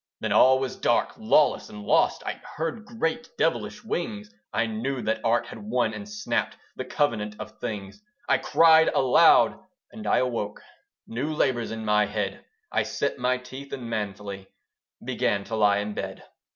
Then all was dark, lawless, and lost: I heard great devilish wings: I knew that Art had won, and snapt The Covenant of Things. I cried aloud, and I awoke, New labours in my head. I set my teeth, and manfully Began to lie in bed.